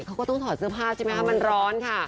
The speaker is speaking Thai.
เขาก็ต้องถอดเสื้อผ้าใช่ไหมคะมันร้อนค่ะ